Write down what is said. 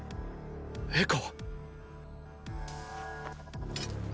エコ！